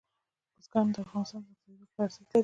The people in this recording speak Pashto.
بزګان د افغانستان د اقتصادي ودې لپاره ارزښت لري.